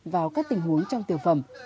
vào các tình huống trong tiều phẩm